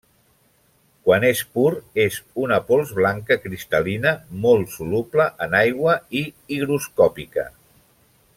Quan és pur és una pols blanca cristal·lina molt soluble en aigua i higroscòpica.